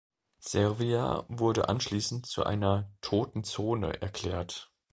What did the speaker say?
Servia wurde anschließend zu einer „toten Zone“ erklärt.